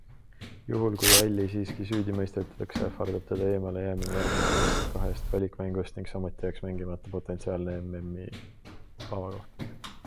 Juhul kui Alli siiski süüdi mõistetakse, ähvardab teda eemale jäämine järgmisest kahest valikmängust ning samuti jääks mängimata potentsiaalne MMi avakohtumine.